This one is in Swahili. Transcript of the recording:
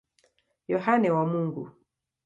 Yohane wa Mungu.